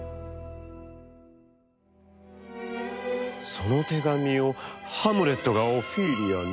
「その手紙をハムレットがオフィーリアに？」。